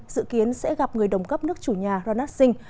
dự kiến sẽ gặp người đồng cấp nước chủ nhà ronat singh